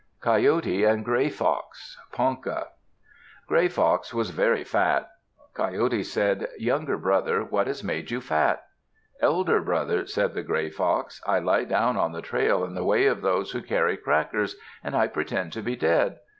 COYOTE AND GRAY FOX Ponca Gray fox was very fat. Coyote said, "Younger brother, what has made you fat?" "Elder brother," said the Gray Fox, "I lie down on the trail in the way of those who carry crackers, and I pretend to be dead.